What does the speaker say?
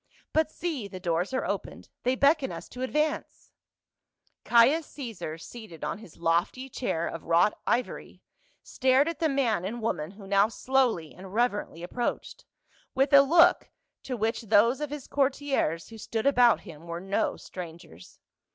But see, the doors are opened ! They beckon us to advance !" Caius Caesar, seated on his lofty chair of wrought ivory, stared at the man and woman who now slowly and reverently approached, with a look to which those of his courtiers who stood about him were no strangers.